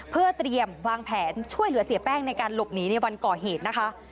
เพื่อเตรียมวางแผนช่วยเหลือเสียแป้งในการหลบหนีในวันก่อเหตุนะคะ